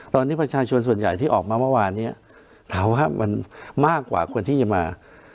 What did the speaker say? ตอนนี้ประชาชนส่วนใหญ่ที่ออกมาเมื่อวานเนี่ยถามว่ามันมากกว่าคนที่จะมา